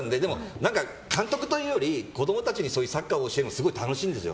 監督というより子供たちにサッカーを教えるのすごい楽しいんですよ。